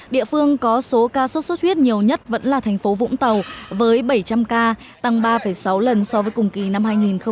địa phương có số ca sốt xuất huyết nhiều nhất vẫn là thành phố vũng tàu với bảy trăm linh ca tăng ba sáu lần so với cùng kỳ năm hai nghìn một mươi tám